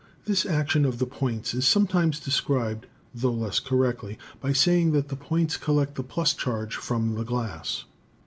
This action of the points is sometimes described, tho less correctly, by saying that the points collect the f charge from the glass.